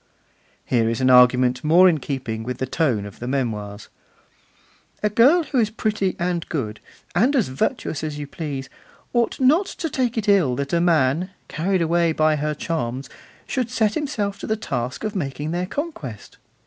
Here is an argument more in keeping with the tone of the Memoirs: A girl who is pretty and good, and as virtuous as you please, ought not to take it ill that a man, carried away by her charms, should set himself to the task of making their conquest.